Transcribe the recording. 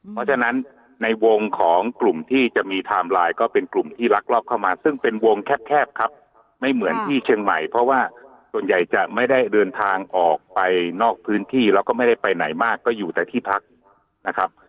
เพราะฉะนั้นในวงของกลุ่มที่จะมีไทม์ไลน์ก็เป็นกลุ่มที่ลักลอบเข้ามาซึ่งเป็นวงแคบครับไม่เหมือนที่เชียงใหม่เพราะว่าส่วนใหญ่จะไม่ได้เดินทางออกไปนอกพื้นที่แล้วก็ไม่ได้ไปไหนมากก็อยู่แต่ที่พักนะครับ